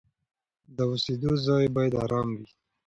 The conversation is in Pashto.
د اوسېدو ځای باید آرام وي.